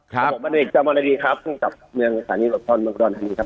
ท่านตมตเอกจามอนอันดีครับผู้มกรรมการสอบภาวเมืองกุดรธานีนะครับ